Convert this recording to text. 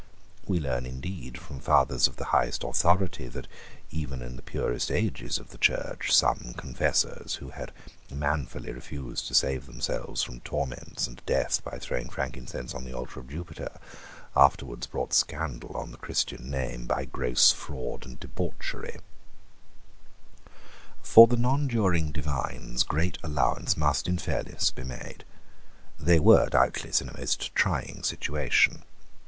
We learn indeed from fathers of the highest authority that, even in the purest ages of the Church, some confessors, who had manfully refused to save themselves from torments and death by throwing frankincense on the altar of Jupiter, afterwards brought scandal on the Christian name by gross fraud and debauchery, For the nonjuring divines great allowance must in fairness be made. They were doubtless in a most trying situation.